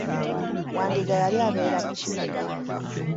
Wandiga yali abeera mu kibuga.